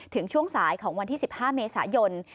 ช่วงสายของวันที่๑๕เมษายน